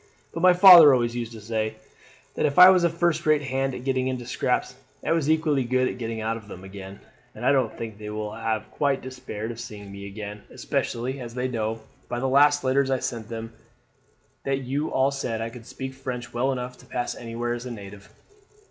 But my father always used to say, that if I was a first rate hand at getting into scrapes, I was equally good at getting out of them again; and I don't think they will have quite despaired of seeing me again, especially as they know, by the last letters I sent them, that you all said I could speak French well enough to pass anywhere as a native."